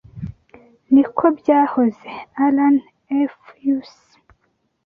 Niko byahoze. (AlanF_US)